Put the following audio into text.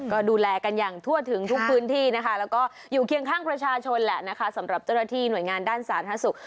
ก็ดูแลกันอย่างทั่วถึงทุกพื้นที่นะคะแล้วก็อยู่เคียงข้างประชาชนแหละนะคะสำหรับเจ้าหน้าที่หน่วยงานด้านสาธารณสุข